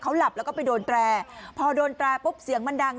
หลับแล้วก็ไปโดนแตรพอโดนแตรปุ๊บเสียงมันดัง